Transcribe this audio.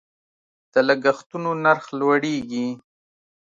د لګښتونو نرخ لوړیږي.